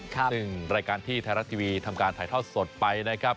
ซึ่งรายการที่ไทยรัฐทีวีทำการถ่ายทอดสดไปนะครับ